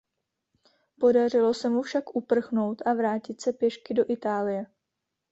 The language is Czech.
Podařilo se mu však uprchnout a vrátit se pěšky do Itálie.